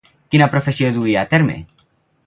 Quina professió duia a terme?